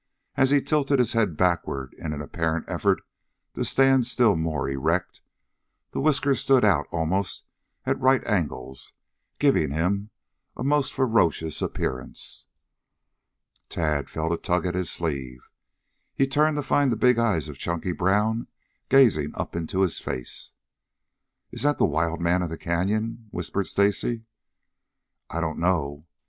As he tilted his head backward in an apparent effort to stand still more erect, the whiskers stood out almost at right angles, giving him a most ferocious appearance. Tad felt a tug at his sleeve. He turned to find the big eyes of Chunky Brown gazing up into his face. "Is that the Wild Man of the Canyon?" whispered Stacy. "I don't know.